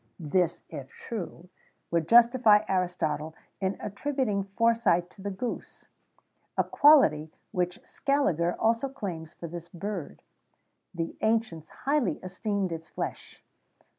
[XVII 49] This, if true, would justify Aristotle in attributing foresight to the goose;[XVII 50] a quality which Scaliger also claims for this bird.[XVII 51] The ancients highly esteemed its flesh.